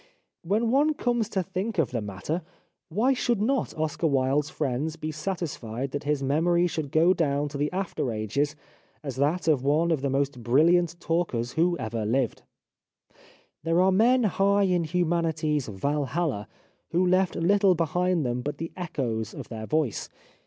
When one comes to think of the matter why should not Oscar Wilde's friends be satisfied that his memory should go down to the after ages as that of one of the most brilliant talkers who ever lived ? There are men high in humanity's Walhalla who left little behind them but the echoes of their voice.